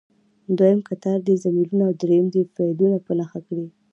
دویم کتار دې ضمیرونه او دریم دې فعلونه په نښه کړي.